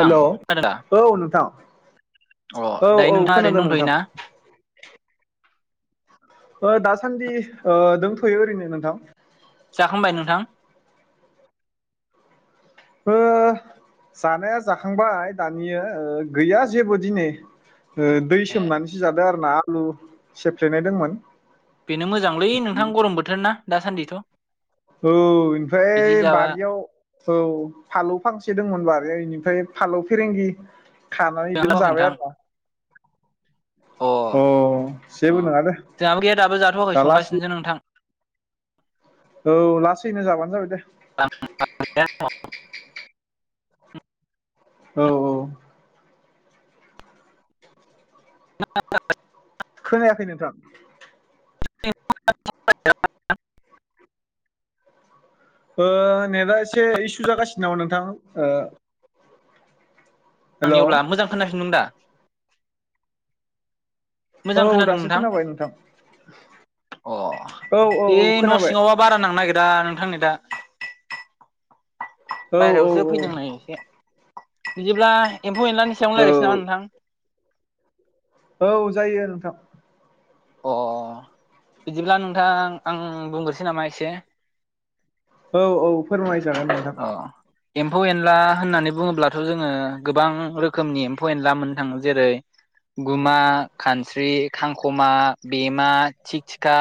थां हेल' खोनादों दा औ नोंथां अ औ दायो औ नोंथाङा ओरैनो खोनादों नोंथां। दंथ'योना ओ दासान्दि दंथ'यो ओरैनो नोंथां। जाखांबाय नोंथां? जानाया जाखांबाय दानिया ओ गैया जेबो दिनै। ओ दै ए सोमनानैसो जादो आरोना आलु सेफ्लेनाय दंमोन। बेनो मोजांलै नोंथां गरम बोथोर ना दासान्दिथ'। औ बिदि इनिफ्राय जाबा बारियाव औ फालौ फांसे दोङोमोन बारियाव इनिफ्राय फालौ फेरेंगि खानानै इदिनो जाथ'वाखै जाबाय आर ना। अ अ-अ जेबो नङा दे जोंहाबो गैया दाबो जाथ'वाखै दा लासै संगासिनोसो नोंथां। औ लासैनो जाबानो जाबाय दे। औ औ [unintelligible] खोनायाखै नोंथां? ओ नेटआ एसे इसु जागासिनो नामा नोंथां? [unintelligible] हेलौ अब्ला मोजां खोनाफिनदों दा। मोजां औ खोनादों दासो नोंथां खोनाबाय नोंथां अ औ औ बे औ न' खोनाबाय सिङावबा बारा नांनो नागिरा नोंथां नेदा। औ औ बायेरायावसो औ फैदों नै एसे बिदिब्ला एम्फौ एनलानि सायावनो रायलायसै नामा औ नोंथां? औ जायो नोंथां। अ बिदिब्ला नोंथां आं बुंग्रोसै नामा एसे? औ-औ फोरमायजागोन नोंथां। अ एम्फौ एनला होननानै बुङोब्लाथ' जोङो गोबां रोखोमनि एम्फौ एनला मोननो थाङो जेरै गुमा खानस्रि खांख'मा बेमा थिख थिखा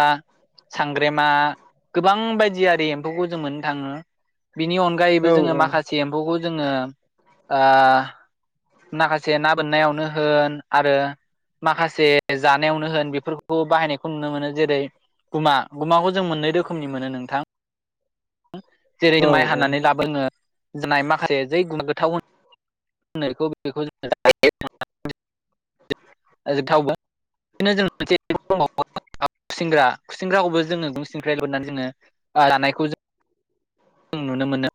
सांग्रेमा गोबां बायदिआरि एम्फौखौ जों मोननो थाङो बिनि अनगा यैबो औ जोङो माखासे एम्फौखौ जोङो ओ माखासे ना बोननायावनो होन आरो माखासे जानायावनो होन बेफोरखौ बाहायनायखौ नुनो मोनो जेरै गुमा गुमाखौ जों मोननै रोखोमनि मोनो नोंथां। जेरै औ माइ हानानै लाबोनोङो जानाय [unintelligible] माखासे जै गुमा गोथाव होनो बेखौ बेखौ जोङो जायो [unintelligible] थावनो [unintelligible] जों मोनसे [unintelligible] खुसेंग्रा खुसेंग्राखौबो जोङो [unintelligible] सिंखाय लानानै जोङो जानायखौ जों जों नुनो मोनो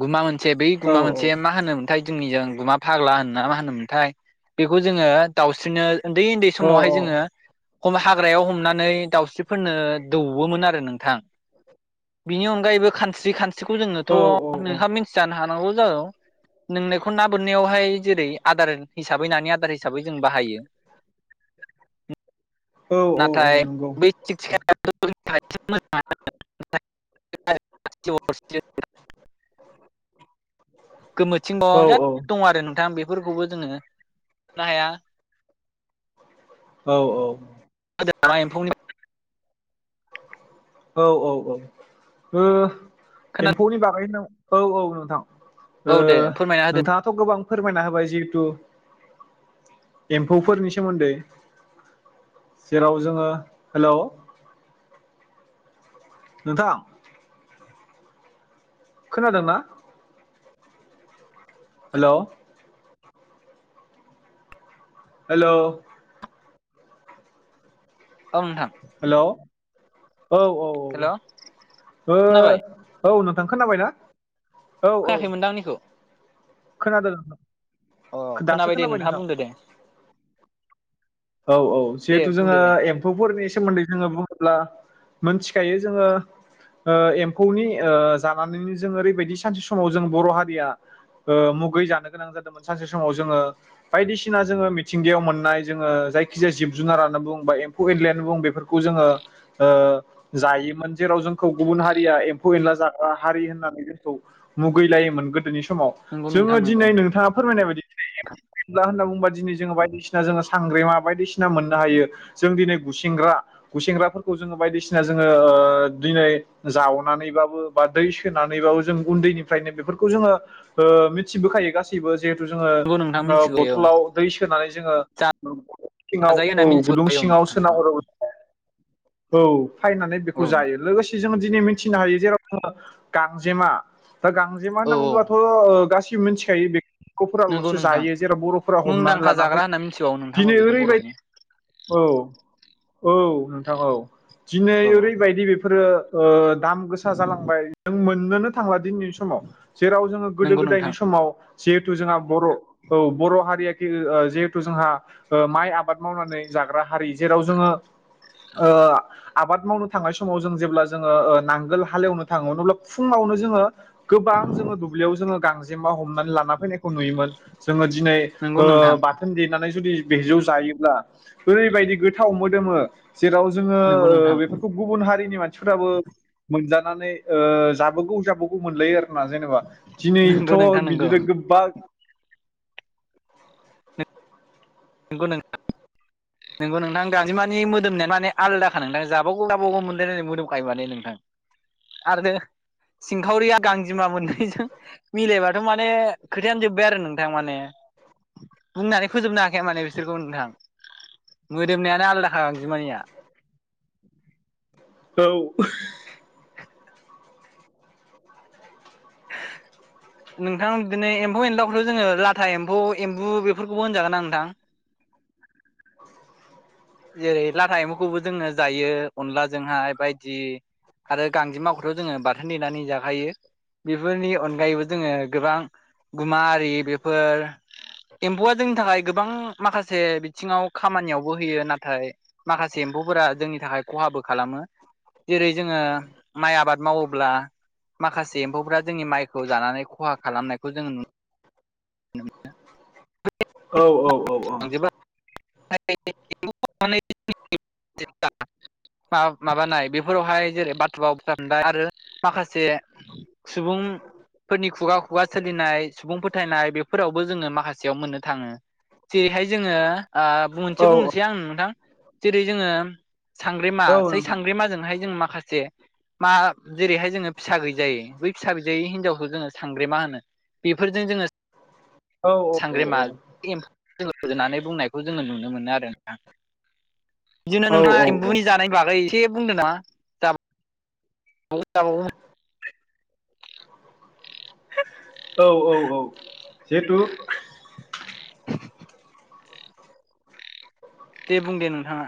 गुमा मोनसे बै औ अ गुमा मोनसे जे मा होनोमोनथाय जोंनिजों गुमा फाग्ला होनोना मा होनोमोनथाय बेखौ जोङो दाउस्रिनो उन्दै उन्दै औ समावहाय जोङो हाग्रायाव हमनानै दाउस्रिफोरनो दौवोमोन आरो नोंथां। बिनि अनगायैबो खानस्रि खानस्रिखौ जोङोथ' औ नोंहा मिथिजानो हानांगौ जागौ? नोंनायखौ ना बोननायावहाय जेरै आदार हिसाबै नानि आदार हिसाबै जों बाहायो। औ औ नाथाय नंगौ बे थिख नोंथां। थिखाया [unintelligible] [unintelligible] गोमोथिं औ दं बिराद दं आरो नोंथां बेफोरखौबो जोङो हाया औ-औ [unintelligible] एम्फौनि औ-औ-औ ओ खोनादों एम्फौनि बागै औ-औ नोंथां औ ओ दे फोरमायना होदो नोंथाङाथ' गोबां फोरमायना होबाय जिहेतु एम्फौफोरनि सोमोन्दै जेराव जोङो हेलौ। नोंथां? खोनादोंना? हेल' हेलौ ओं नोंथां। हेल' औ औ औ औ हेल' ओ खोनाबाय औ नोंथां खोनाबायना? औ औ खोनाखैमोनदांं आंनिखौ? खोनादों नोंथां अ दासो खोनाबाय दे नोंथाङा नोंथां बुंदो दे। औ औ दे जिहेथु बुंदो जोङो दे एम फौफोरनि सोमोन्दै जोङो बुङोब्ला मोनथिखायो जोङो ओ एम्फौनि ओ जानानैनो जों ओरैबायदि सानसे समाव जों बर' हारिया ओ मुगै जानो गोनां जादोंमोन सानसे समाव जोङो बायदिसिना जोङो मिथिंगायाव मोननाय जोङो जायखिजाया जिब जुनारानो बुं बा एम्फौ एनलेयानो बुं बेफोरखौ जोङो ओ जायोमोन जेराव जोंखौ गुबुन हारिया एम्फौ एनला जाग्रा हारि होननानै जोंखौ मुगैलायोमोन गोदोनि समाव नंगौ जोङो नोंथां नंगौ दिनै नोंथाङा फोरमायनाय बायदि अब्ला होनना [unintelligible] बुंङोबा दिनै जोङो बायदिसिना जोङो सांग्रेमा बायदिसिना मोननो हायो जों दिनै गुसेंग्रा गुसेेंग्राफोरखौ जोङो बायदिसिना जोङो ओ दिनै जावनानैबाबो बा दै सोनानैबाबो जों उन्दैनिफ्रायनो बेफोरखौ जोङो ओ मिथिबोखायो गासि बो जिहेथु जोङो नंगौ नोंथां ओ मिथिखायो औ बथलाव दै सोनानै जोङो सिङाव जाजायो होनना औ गुदुं मिथिखायो औ सिङाव नोंथां सोनां बेखौ हरो औ खायनानै औ बेखौ जायो लोगोसे जोङो दिनै मिथिनो हायो जेराव जोङो गांजेमा दा गांजेमा औ होनना औ बुङोबाथ' ओ गासिबो मिथिखायो बे नंगौ बर'फोराल'सो नोंथां जायो जेराव बर'फोरा हमनानै मुंदांखा लाना जाग्रा फैयो होनना मिथिबावो [unintelligible] नोंथां औ दिनै बेखौ बर'नि ओरैबायदि [unintelligible] औ औ नोंथां औ दिनै औ ओरैबायदि बेफोरो ओ दाम गोसा जालांबाय जों मोननोनो थांला दिनैनि समाव जेराव जोङो गोदो नंगौ गोदायनि नोंथां समाव जिहेथु जोंहा बर' औ बर' हारिया दि ओ जिहेथु जोंहा माइ ओ आबाद मावनानै जाग्रा हारि जेराव जोङो ओ आबाद मावनो थांनाय समाव जों जेब्ला जोङो ओ नांगोल हाल एवनो थाङो अब्ला फुङावनो जोङो गोबां जोङो दुब्लियाव जोङो गांजेमा हमनानै ला ना फैनायखौ नुयोमोन जोङो दिनै नंगौ ओ नोंथां बा थोन देनानै जुदि बेजों जायोब्ला ओरैबायदि गोथाव मोदोमो जेराव जोङो नंगौ ओ नोंथां बेफोरखौ गुबुन हारिनि मानसिफोराबो मोनजानानै ओ जाबौगौ जाबौगौ मोनलायो आरो गोथावना जेनेबा नंगौ नोंथां दिनैथ' नंगौ बिदिनो नोंगौ गोबा [unintelligible] नोंगौ नोंथां। नोंगौ नोंथां गांजेमानि मोदोमनाया माने आलदाखा नोंथां जाबागौ जाबागौ मोनलायलायनाय मोदोमखायो माने नोंथां आरो सिंखावरिया गांजेमा मोननैजों मिलायबाथ' माने खोथायानो जोब्बाय आरो नोंथां माने बुंनानै फोजोबनो हा खाया माने बिसोरखौ नोंथां मोदोमनायानो आलदाखा गांजेमानिया। औ [inaudible] नोंथां बिदिनो एम्फौ एनलाखौथ' जोङो लाथा एम्फौ एम्बु बेफोरखौबो होनजागोन ना नोंथां? जेरै लाथा एम्फौखौबो जोङो जायो अनला जोंहाय बायदि आरो गांजेमाखौथ' जोङो बाथोन देनानै जाखायो। बेफोरनि अनगायैबो जोङो गोबां गुमा आरि बेफोर एम्फौआ जोंनि थाखाय गोबां माखासे बिथिङाव खामानियावबो होयो ना थाय माखासे एम्फौफोरा जोंनि थाखाय खहाबो खालामो। जेरै जोङो माइ आबाद मावोब्ला माखासे एम्फौफोरा जोंनि माइखौ जानानै ख'हा खालामनायखौ जों नु औ औ औ औ [unintelligible] मा माबानाय बेफोरावहाय जेरै [unintelligible] फाबनाय आरो माखासे सुबुं फोरनि खुगा खुगा सोलिनाय सुबुं फोथायनाय बेफोरावबो जोङो माखासेयाव मोननो थाङो। जेरैहाय जोङो ओ औ बुंनोसै बुंनोसै आं नोंथां जेरै जोङो सांग्रेमा औ सै नोंथां सांग्रेमाजोंहाय जों माखासे मा जेरैहाय जोङो फिसा गैजायै बै फिसा गैजायै हिनजावखौ जोङो सांग्रेमा होनो। बेफोरजों जोङो औ औ औ सांग्रेमा औ एमफौजों जों रुजुनानै बुंनायखौ खौ जोङो नुनो मोनो आरो नोंथां, बिदिनो औ नोंथाङा औ औ एम्बुनि जानाय बागै एसे बुंदो नामा? [unintelligible] औ औ औ जिहेथु दे बुं दे नोंथाङा।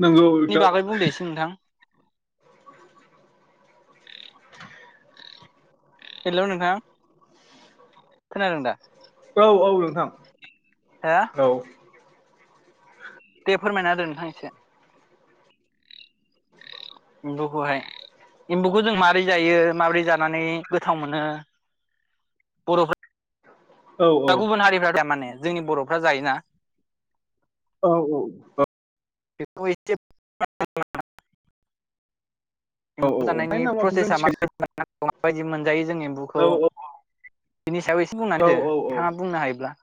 नोंगौ नि नोंथां। बागै बुंदो एसे नोंथां हेलौ नोंथां खोनादों दा? औ औ नोंथां। हो औ दे फोरमायना होदो नोंथां इसे। एम्बौखौहाय एम्बुखौ जों मारै जायो माबोरै जानानै गोथाव मोनो? बर'फो औ दा गुबुन हारिफ्रा माने जोंनि बर'फ्रा जायोना। औ औ औ बेखौ इसे औ औ एमबु जानायनि नायनि नामावथ' जों प्रसेसा थिखायो माबायदि मोननांगौ माबायदि मोनजायो जों औ एम्बौखौ? बिनि सायाव इसे औ बुंनानै होदो औ नोंथाङा बुंनो हायोब्ला।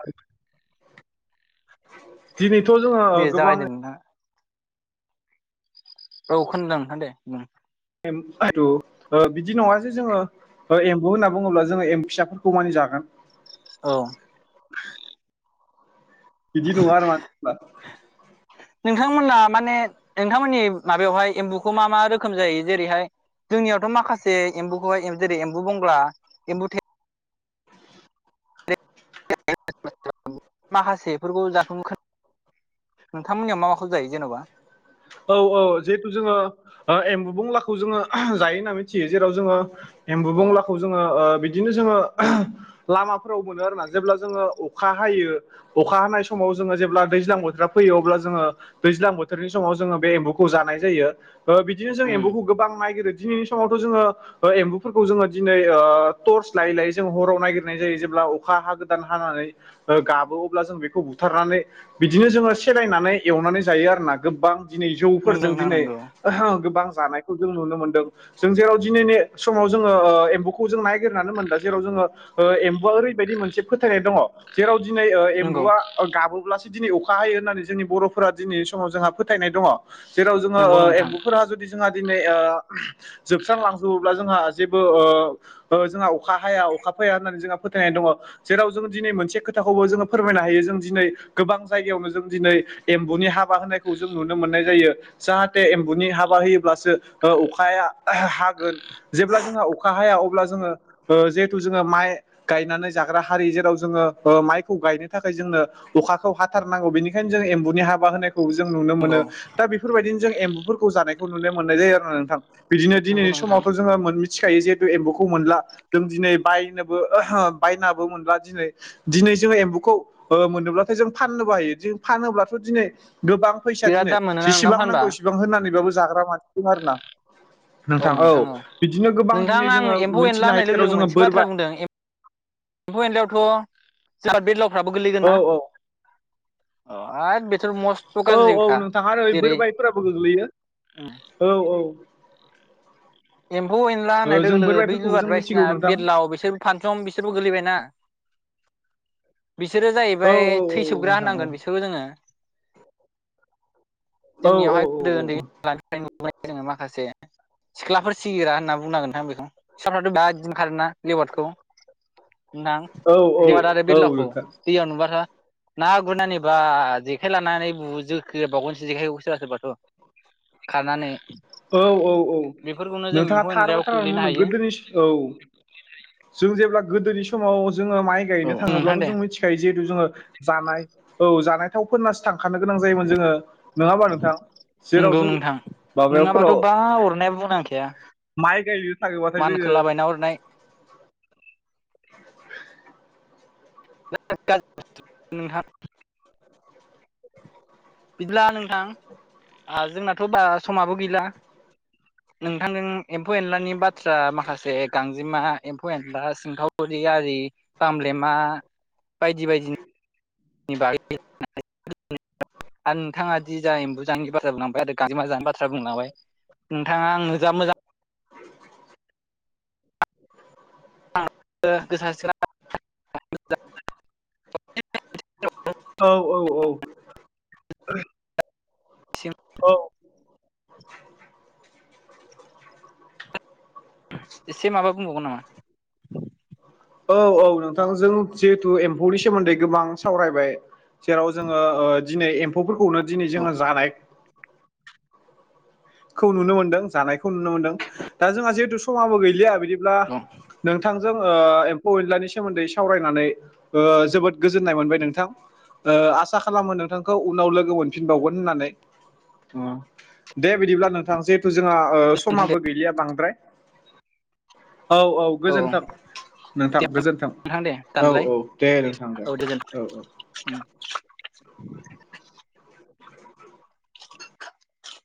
दिनैथ' जोङो दे गोबां जागायदो नोंथाङा औ खोनदों नोंथां दे बुं। [unintelligible] ओ बिदि नङा जे जोङो ओ एम्बु होनना बुङोब्ला जोङो एमबु फिसाफोरखौ मानि जागोन? औ बिदि नङा आरो [unintelligible] नोंथांमोना माने नोंथांमोननि माबायावहाय एम्बुखौ मा मा रोखोम जायो जेरैहाय? जोंनियावथ' माखासे एम्बुखौहाय जेरै एम्बु बंगला एमबु थे [unintelligible] माखासेफोरखौ [unintelligible] नोंथांमोननियाव मा माखौ जायो जेन'बा? औ औ जिहेतु जोङो ओ एम्बु बंलाखौ जोङो जायो होनना मिथियो जेराव जोङो एम्बु अ बंलाखौ जोङो ओ बि बिदिनो जोङो लामाफोराव मोनो आरोना जेब्ला जोङो अखा हायो अखा हानाय समाव जोङो जेब्ला दैज्लां बोथोरा फैयो अब्ला जोङो दैज्लां बोथोरनि समाव जोङो बे एम्बुखौ जानाय जायो ओ बिदिनो जों उम एम्बुखौ गोबां नायगिरो दिनैनि समावथ' जोङो ओ एम्बुफोरखौ जोङो दिनै ओ टर्स लायै लायै जोङो हराव नागिरनाय जायो जेब्ला अखा हागोदान हानानै ओ गाबो अब्ला जों बेखौ बुथारनानै बिदिनो जोङो सेलायनानै एवनानै जायो आरोना। गोबां दिनै नोंगौ जौफोरजों नोंथां दिनै नोंगौ गोबां जानायखौ जों नुनो मोनदों। जों जेराव दिनैनि समाव जोङो ओ एम्बौखौ जों नायगिरनानै मोनला जेराव जोङो ओ एम्बुआ ओरैबायदि मोनसे फोथायनाय दङ जेराव दिनै ओ नंगौ एम्बुआ ओ गाबोब्लासो दिनै अखा हायो होननानै जोंनि बर'फोरा दिनै समाव जोंहा फोथायनाय दङ जेराव जोङो नंगौ ओ नोंथां एम्बुफोरा जुदि जोंहा दिनै ओ जोबस्रांलांजोबोब्ला जोंहा जेबो ओ ओ जोंहा अखा हाया अखा फाया होननानै जोंहा फोथायनाय दङ। जेराव जों दिनै मोनसे खोथाखौबो जोङो फोरमायनो हायो जों दिनै गोबां जायगायावनो जों दिनै एम्बुनि हाबा होनाय खौ जों नुनो मोननाय जायो। जाहाथे एम्बुनि हाबा होयोब्लासो ओ अखाया हागोन। जेब्ला जोंहा अखा हाया अब्ला जोङो ओ जेहेथु जोङो माइ गायनानै जाग्रा हारि जेराव जोङो ओ माइखौ गायनो थाखाय जोंनो अखाखौ हाथारनांगौ बेनिखायनो जों एम्बुनि हाबा होनायखौ जों नुनो नंगौ मोनो दा बेफोरबायदिनो जों एम्बुफोरखौ जानायखौ नुनो मोननाय जायो आरोना नोंथां। बिदिनो नंगौ दिनैनि नोंथां समावथ' जोंङो मोन मि थिखायो जिहेतु एम्बौखौ मोनला जों दिनै बायनोबो बायनाबो मोनला दिनै दिनै जोङो एम्बुखौ ओ मोनोब्लाथाय जों फाननोबो हायो जों फानोब्लाथ' दिनै गोबां फैसा बिराद दिनै दाम मोनोना नोंथां जेसेबां फानबा नांगौ इसेबां होननानैबाबो जाग्रा मानसि दं आरोना। नोंथां औ बिदिनो गोबां नोंथां दिनै आं जोङो एम्फौ एनला मिथिनो होननाय हायो लोगो जेराव लोगो जोङो मोनसे बाथ्रा बोरबाय बुंदों एम्फौ एन्लायावथ' जोंहा बेदलावफ्राबो औ गोलैगोनना [unintelligible] औ ओ आ बेथ' मस औ औ नोंथां आरो बोरबायफोराबो गोग्लैयो औ औ। एम्फौ एनला होननाय ओ लोगो जों लोगो बै बोरमायफोरखौबो लुवार जों बायदिसिना मिथिगौ नोंथां बेरलाव बेसोरबो फानसं बिसोरबो गोलैबायना बिसोरो औ जाहैबाय औ औ थैसोबग्रा नोंथां औ होननांगोन बिसोरखौ जोङो। औ औ जोंनियावहाय गोदो ओन्दै [unintelligible] जोङो माखासे सिख्लाफोर सिगिग्रा होनना बुंनांगोन नोंथांं बेखौ फिसाफ्राथ' दा इदिनो ओंखारोना लेवादखौ नां औ लुवार आरो औ बेदलावखौ नोंथां दैयाव नुबाथ' ना गुरनानै बा जेखाइ लानानै बु जोख्रेबबावगोनसो जेखाइखौ सोरबा सोरबाथ' खारनानै औ औ औ बेफोरखौनो जों नोंथाङा एम्फौ थार एनलायाव बाथ्राखौनो खोख्लैनो बुंदों हायो गोदोनि औ जों जेब्ला गोदोनि समाव जोङो माइ गायनो औ नोंथां थाङोब्लाथ' दे जों मिथि थायो जिहेतु जोङो जानाय औ जानाय थाव फोननासो थांखानो गोनां जायोमोन जोङो नोङा ओमबा नोंथां जेराव जों माबायाव थ' बा अरनाया बुंनांखाया माइ गायनो थाङोबाथाय जोङो ना गुरनाय [inaudible] जोबोद गाज्रि [unintelligible] नोंथां बिदिब्ला नोंथां ओ जोंनाथ' बा समाबो गैला। नोंथांजों एम्फौ एनलानि बाथ्रा माखासे गांजेमा एम्फौ एनला सिंखावरि आरि बामब्लेमा बायदि बायदि नि बागै सावरायनानै जोबोद [unintelligible] गोजोननाय [unintelligible] आरो नोंथाङा दि जा एम्बु जानायनि बाथ्रा बुंलांबाय आरो गांजेम जानायनि बाथ्रा बुंलांबाय नोंथाङा आंनो जा मोजां ओ गोसा [unintelligible] औ औ औ। सोरांसिम औ। इसे माबा बुंबावगोन नामा? औ औ नोंथांजों जिहेथु एम्फौनि सोमोन्दै गोबां सावरायबाय। जेराव जोङो ओ दिनै एम्फौफोरखौनो दिनै औ जोङो जानाय खौ नुनो मोनदों जानायखौ नुनो मोनदों दा जोंहा जिहेथु समाबो गैलिया बिदिब्ला नोंथांजों ओ एम्फौ एनलानि सोमोन्दै सावरायनानै जोबोद गोजोननाय मोनबाय नोंथां। ओ आसा खालामो नोंथांखौ उनाव लोगो मोनफिनबावगोन होननानै दे बिदिब्ला नोंथां जिहेथु जोंहा नोंथां दे समाबो गैलिया बांद्राय औ औ। गोजोनथों नोंथां दे गोजोनथों नोंथां दे औ दानलाय औ दे नोंथां दे औ गोजोन औ औ। [inaudible] [inaudible] [inaudible]